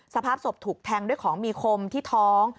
สภาพศพถูกแทงด้วยของมีคมที่ท้อง